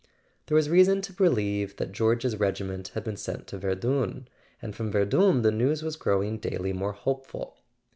There was reason to believe that George's regiment had been sent to Verdun, and from Verdun the news was growing daily more hopeful.